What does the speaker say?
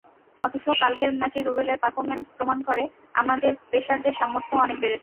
অথচ কালকের ম্যাচে রুবেলের পারফরম্যান্স প্রমাণ করে, আমাদের পেসারদের সামর্থ্যও অনেক বেড়েছে।